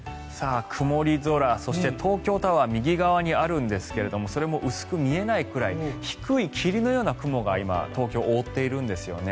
曇り空そして東京タワー右側にあるんですけれどもそれも薄く見えないくらい低い霧のような雲が今、東京を覆っているんですよね。